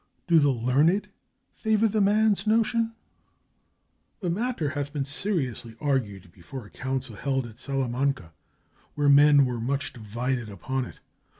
"Do the learned favor the man's notion?" "The matter hath been seriously argued before a council held at Salamanca, where men were much di vided upon it.